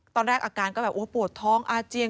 ตอนแรกอาการก็แบบโอ้ปวดท้องอาเจียน